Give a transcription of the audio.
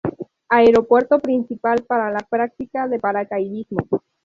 Aeropuerto principal para la práctica de paracaidismo.